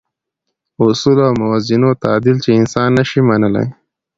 اصولو او موازینو تعدیل چې انسان نه شي منلای.